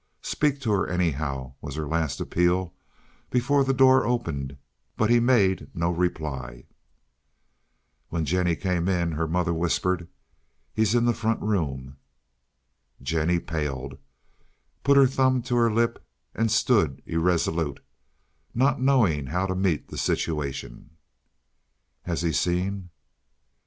"Speak to her, anyhow," was her last appeal before the door opened; but he made no reply. When Jennie came in her mother whispered, "He is in the front room." Jennie paled, put her thumb to her lip and stood irresolute, not knowing how to meet the situation. "Has he seen?"